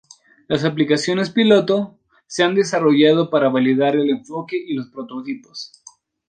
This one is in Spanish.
Las aplicaciones piloto se han desarrollado para validar el enfoque y los prototipos.